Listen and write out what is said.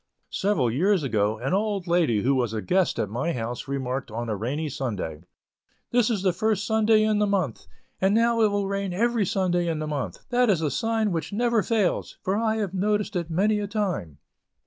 Several years ago an old lady who was a guest at my house, remarked on a rainy Sunday: "This is the first Sunday in the month, and now it will rain every Sunday in the month; that is a sign which never fails, for I have noticed it many a time."